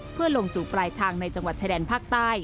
เพื่อลงสู่ปลายทางในจังหวัดชายแดนภาคใต้